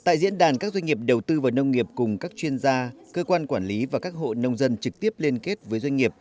tại diễn đàn các doanh nghiệp đầu tư vào nông nghiệp cùng các chuyên gia cơ quan quản lý và các hộ nông dân trực tiếp liên kết với doanh nghiệp